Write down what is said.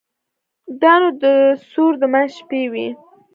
دا نو د ثور د منځ شپې وې.